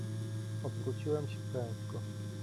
"Odwróciłem się prędko."